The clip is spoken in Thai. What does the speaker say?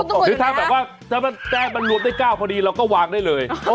หรือถ้าแบบว่าถ้าแป้งมันรวมได้๙พอดีเราก็วางได้เลย